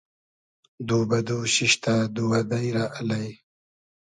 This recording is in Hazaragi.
دو بۂ دو شیشتۂ دووئدݷ رۂ الݷ